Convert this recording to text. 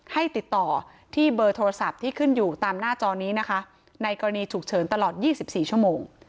ให้ติดต่อที่เบอร์โทรศัพท์ที่ขึ้นอยู่ตามหน้าจอนี้นะคะในกรณีฉุกเฉินตลอด๒๔ชั่วโมง